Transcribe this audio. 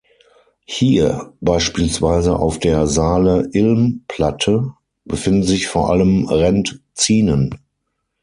Hier, beispielsweise auf der Saale-Ilm-Platte, befinden sich vor allem Rendzinen.